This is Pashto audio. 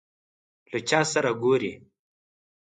له چا سره ګورې ؟